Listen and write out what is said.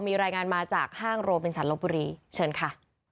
มีรายงานมาจากห้างโรบินสันลบบุรีเชิญค่ะ